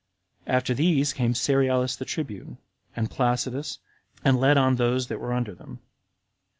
After these came Cerealis the tribune, and Placidus, and led on those that were tinder them.